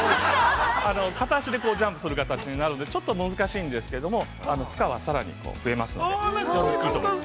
◆片足でジャンプする形になるんでちょっと難しいんですけども負荷は、さらに増えますので非常に効くと思います。